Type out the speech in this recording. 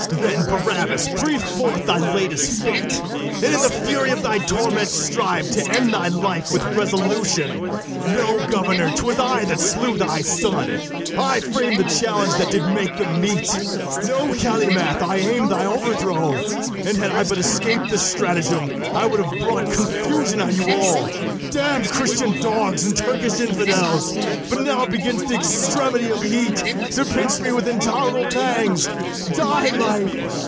Then, Barabas, breathe forth thy latest fate, And in the fury of thy torments strive To end thy life with resolution. Know, governor, 'twas I that slew thy son, I fram'd the challenge that did make them meet: Know, Calymath, I aim'd thy overthrow: And, had I but escap'd this stratagem, I would have brought confusion on you all, Damn'd Christian dogs, and Turkish infidels! But now begins the extremity of heat To pinch me with intolerable pangs: Die, life!